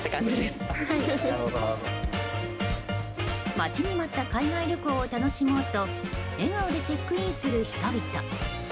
待ちに待った海外旅行を楽しもうと笑顔でチェックインする人々。